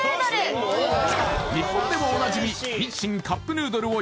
日本でもおなじみ